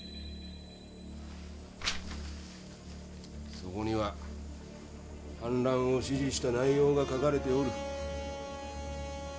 そこには反乱を指示した内容が書かれておる。